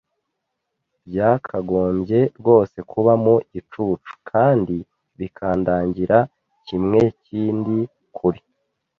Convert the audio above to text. Byakagombye rwose kuba mu gicucu - kandi bikandagira, kimwekindi, kuri